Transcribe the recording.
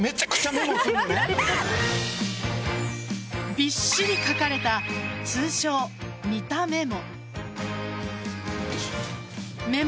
びっしり書かれた通称・三田メモ。